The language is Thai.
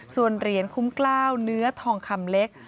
ส่วนเหรียญคุ้มกล้าวเนื้อทองคำเล็ก